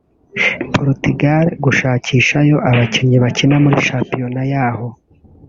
Portugal gushakishayo abakinnyi bakina muri shampiyona yaho